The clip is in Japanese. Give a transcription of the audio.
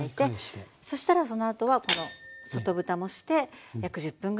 そしたらそのあとはこの外ぶたもして約１０分ぐらい煮て下さい。